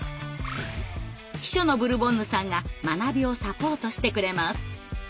秘書のブルボンヌさんが学びをサポートしてくれます。